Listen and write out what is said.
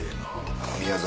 宮崎